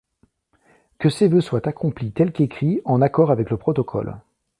Que ces vœux soient accomplis tels qu'écrits en accord avec le protocole.